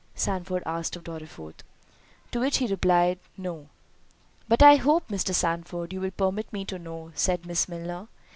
Sandford asked of Dorriforth. To which he replied, "No." "But I hope, Mr. Sandford, you will permit me to know?" said Miss Milner.